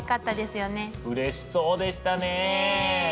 うれしそうでしたね。ね。